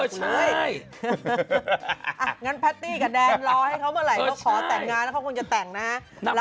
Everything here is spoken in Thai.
อ๋อแต่งงานแล้วเขาคงจะแต่งนะฮะ